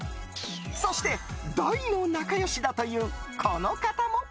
そして、大の仲良しだというこの方も。